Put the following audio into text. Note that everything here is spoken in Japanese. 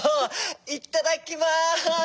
いっただきます！